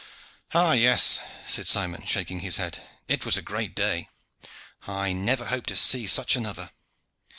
"Ah, yes," said Simon, shaking his head, "it was a great day. I never hope to see such another.